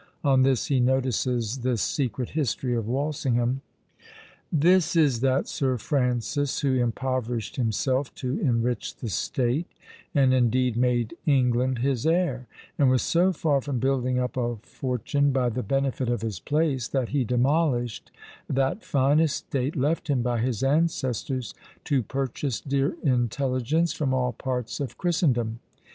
On this he notices this secret history of Walsingham: "This is that Sir Francis who impoverished himself to enrich the state, and indeed made England his heir; and was so far from building up of fortune by the benefit of his place, that he demolished that fine estate left him by his ancestors to purchase dear intelligence from all parts of Christendom.